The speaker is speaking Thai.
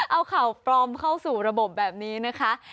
เอาข่าวปลอมเข้าสู่ระบบแบบนี้นะคะ